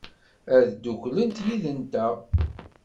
Ad dduklent yid-nteɣ?